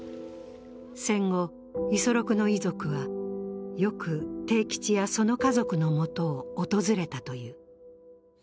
戦後、五十六の遺族は、よく悌吉やその家族のもとを訪れたという。